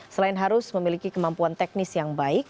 selain harus memiliki kemampuan teknis yang baik